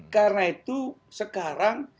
karena itu sekarang